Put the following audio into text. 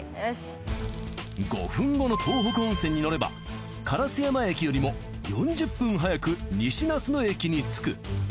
５分後の東北本線に乗れば烏山駅よりも４０分早く西那須野駅に着く。